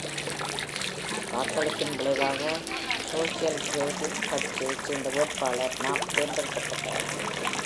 வாக்களிப்பின் விளைவாக ஸோஷியல் கிரேடிட் கட்சியை சேர்ந்த வேட்பாளர் நாப் தேர்ந்தெடுக்கப்பட்டார்.